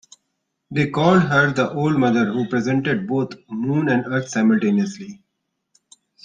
They called her the Old Mother, who represented both Moon and Earth simultaneously.